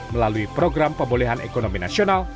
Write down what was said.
melalui program pembolehan ekonomi nasional